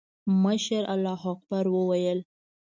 مشر الله اکبر وويل.